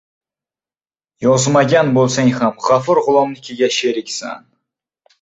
Yozmagan bo‘lsang ham G‘afur G‘ulomnikiga sheriksan.